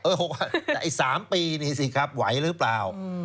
เออ๖พันแต่ทีสามปีนี้สิครับไหวหรือเปล่าอือ